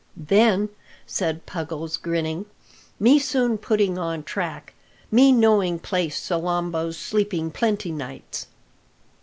"Then," said Puggles, grinning, "me soon putting on track; me knowing place Salambo sleeping plenty nights."